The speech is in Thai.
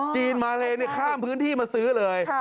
มาเลข้ามพื้นที่มาซื้อเลย